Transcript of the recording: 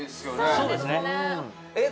そうですねえっ